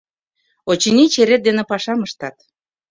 Очыни, черет дене пашам ыштат.